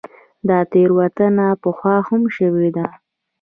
دا تېروتنه پخوا هم شوې ده.